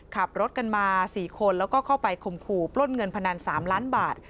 ขับรถกันมา๔คนแล้วก็เข้าไปข่มขู่ปล้นเงินพนัน๓ล้านบาท